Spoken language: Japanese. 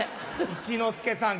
一之輔さん